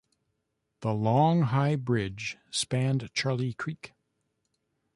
The long, high bridge spanned Charlie Creek.